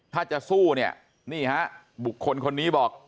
ถ้าจะสู้เนี่ยนี่ฮะบุคคลคนนี้บอก